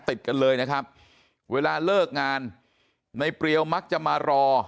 ติดกันเลยนะครับเวลาเลิกงานในเปรียวมักจะมารอ